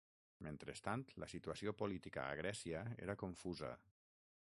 Mentrestant, la situació política a Grècia era confusa.